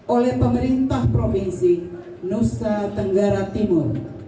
oleh pemerintah provinsi nusa tenggara timur